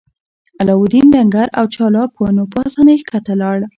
علاوالدین ډنګر او چلاک و نو په اسانۍ ښکته لاړ.